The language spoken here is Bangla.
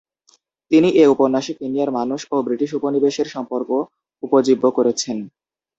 তিনি এ উপন্যাসে কেনিয়ার মানুষ ও ব্রিটিশ উপনিবেশের সম্পর্ক উপজীব্য করেছেন।